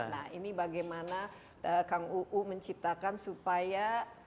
nah ini bagaimana kang uu menciptakan supaya